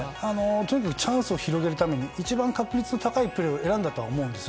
とにかくチャンスを広げるために一番確率の高いプレーを選んだんだと思います。